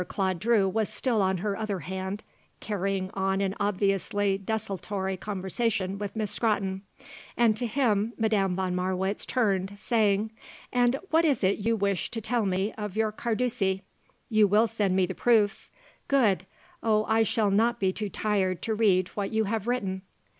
Claude Drew was still on her other hand, carrying on an obviously desultory conversation with Miss Scrotton, and to him Madame von Marwitz turned, saying: "And what is it you wished to tell me of your Carducci? You will send me the proofs? Good. Oh, I shall not be too tired to read what you have written."